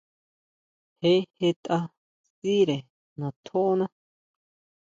Je jetʼa sʼíre natjóná.